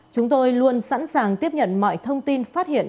chúng tôi luôn sẵn sàng tiếp nhận mọi thông tin phát hiện